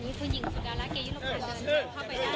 นี่คุณหญิงสุดารัสเกยิ้มโลกพลาดเดินเข้าไปได้นะคะ